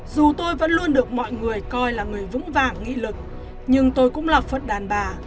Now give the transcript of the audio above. dù tôi vẫn luôn được mọi người coi là người vững vàng nghị lực nhưng tôi cũng là phật đàn bà